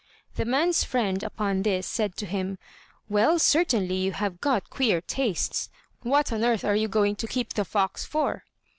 The man's friend, upon this, said to him: "Well, certainly you have got queer tastes. What on earth are you going to keep the fox for?"